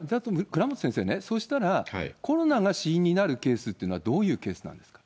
倉持先生ね、そしたらコロナが死因になるケースっていうのは、どういうケースなんですか。